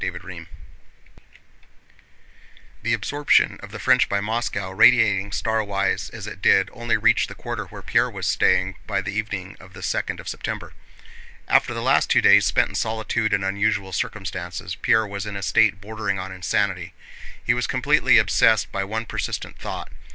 CHAPTER XXVII The absorption of the French by Moscow, radiating starwise as it did, only reached the quarter where Pierre was staying by the evening of the second of September. After the last two days spent in solitude and unusual circumstances, Pierre was in a state bordering on insanity. He was completely obsessed by one persistent thought.